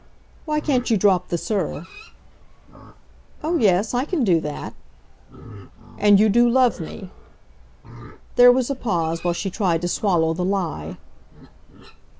"Why can't you drop the Sir?" "Oh yes; I can do that." "And you do love me?" There was a pause, while she tried to swallow the lie.